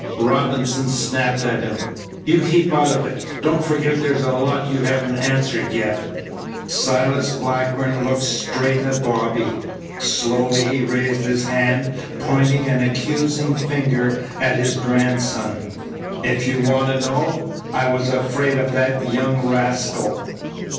Robinson snapped at him. "You keep out of it. Don't forget there's a lot you haven't answered yet." Silas Blackburn looked straight at Bobby. Slowly he raised his hand, pointing an accusing finger at his grandson. "If you want to know, I was afraid of that young rascal."